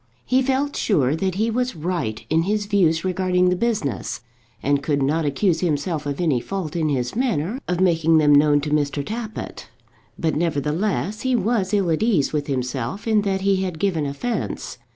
He felt sure that he was right in his views regarding the business, and could not accuse himself of any fault in his manner of making them known to Mr. Tappitt; but, nevertheless, he was ill at ease with himself in that he had given offence.